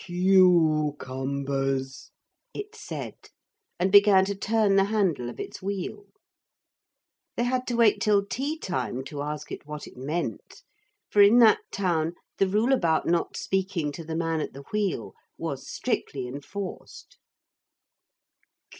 'Cucumbers,' it said, and began to turn the handle of its wheel. They had to wait till tea time to ask it what it meant, for in that town the rule about not speaking to the man at the wheel was strictly enforced.